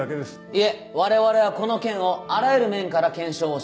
いえ我々はこの件をあらゆる面から検証をして。